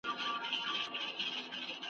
هم به جاله وي هم یکه زار وي .